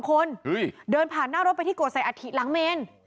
คนเดินผ่านหน้ารถไปที่โกใส่อัฐิหลังเมน